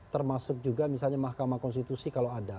termasuk juga misalnya mahkamah konstitusi kalau ada